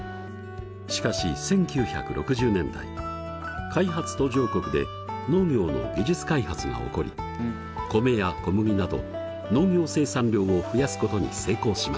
しかし１９６０年代開発途上国で農業の技術開発が起こり米や小麦など農業生産量を増やすことに成功しました。